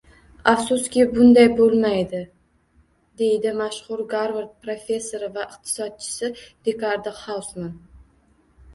Afsuski, "bunday bo'lmaydi"deydi mashhur Garvard professori va iqtisodchisi Rikardo Xausman